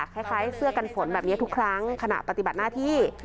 คล้ายเสื้อกันฝนแบบนี้ทุกครั้งขณะปฏิบัติหน้าที่